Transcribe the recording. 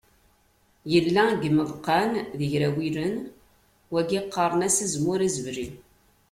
Yella deg yimeḍqan d igrawiyen, wagi qqaren-as azemmur azebli.